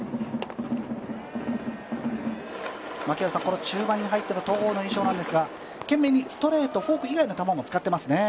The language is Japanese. この中盤に入っての戸郷の印象ですが、懸命にストレート、フォーク以外の球も使っていますね。